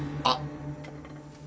あっ。